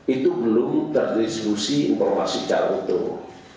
itu belum terdiskusi informasi secara utuh